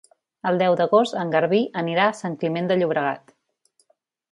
El deu d'agost en Garbí anirà a Sant Climent de Llobregat.